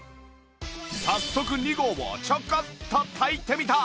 早速２合をちょこっと炊いてみた！